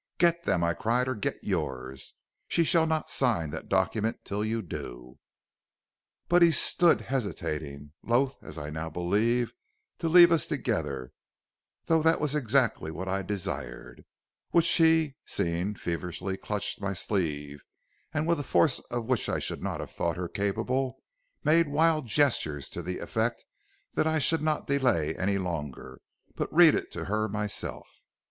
"'Get them,' I cried; 'or get yours, she shall not sign that document till you do.' "But he stood hesitating, loth, as I now believe, to leave us together, though that was exactly what I desired, which she, seeing, feverishly clutched my sleeve, and, with a force of which I should not have thought her capable, made wild gestures to the effect that I should not delay any longer, but read it to her myself.